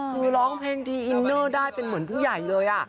คือร้องเพลงดีอินเนอร์ได้เป็นเหมือนผู้ใหญ่เลย